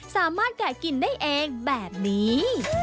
แกะกินได้เองแบบนี้